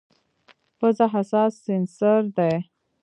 پزه حساس سینسر دی.